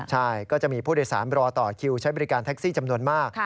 ใช่ก็จะมีผู้โดยสารรอต่อคิวใช้บริการแท็กซี่จำนวนมาก